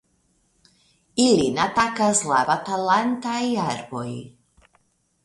Ilin atakas la Batalantaj Arboj.